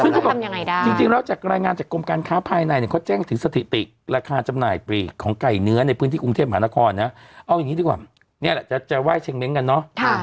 ซึ่งเขาบอกจริงแล้วจากรายงานจากกรมการค้าภายในเนี่ยเขาแจ้งถึงสถิติราคาจำหน่ายปลีกของไก่เนื้อในพื้นที่กรุงเทพหานครนะเอาอย่างนี้ดีกว่านี่แหละจะไห้เชงเม้งกันเนอะ